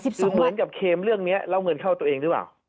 คือเหมือนกับเคมเรื่องนี้แล้วเงินเข้าตัวเองหรือเปล่า